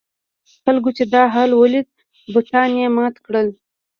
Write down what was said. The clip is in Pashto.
خلکو چې دا حال ولید بتان یې مات کړل.